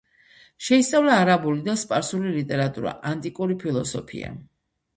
შეისწავლა არაბული და სპარსული ლიტერატურა, ანტიკური ფილოსოფია.